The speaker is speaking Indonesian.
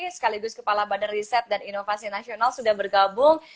sekaligus kepala badan riset dan inovasi nasional sudah bergabung